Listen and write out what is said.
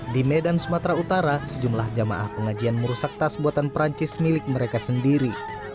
di medan sumatera utara sejumlah jamaah pengajian merusak tas buatan perancis milik mereka sendiri